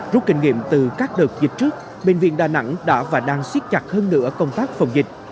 rút kinh nghiệm từ các đợt dịch trước bệnh viện đà nẵng đã và đang siết chặt hơn nữa công tác phòng dịch